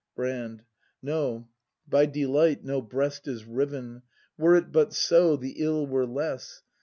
Brand. No, by delight no breast is riven; — Were it but so, the ill were less!